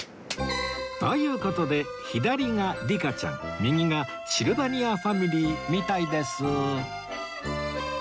という事で左がリカちゃん右がシルバニアファミリーみたいです